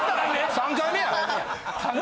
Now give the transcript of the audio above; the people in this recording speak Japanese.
３回目やん。